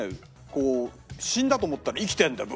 こう死んだと思ったら生きてるんだよ。